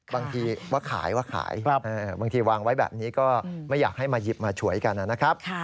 บางทีว่าขายว่าขายบางทีวางไว้แบบนี้ก็ไม่อยากให้มาหยิบมาฉวยกันนะครับ